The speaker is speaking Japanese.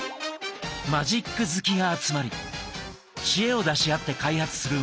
マジック好きが集まり知恵を出し合って開発するマジックグッズ。